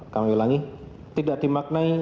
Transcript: kami ulangi tidak dimaknai